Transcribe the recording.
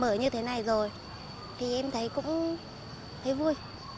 mở như thế này rồi thì em thấy cũng thấy vui